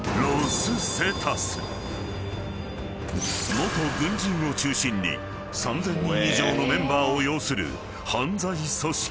［元軍人を中心に３，０００人以上のメンバーを擁する犯罪組織だ］